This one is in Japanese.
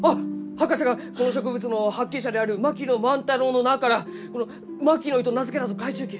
博士がこの植物の発見者である槙野万太郎の名からこの「マキノイ」と名付けたと書いちゅうき。